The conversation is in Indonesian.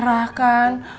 kamu gak marah kan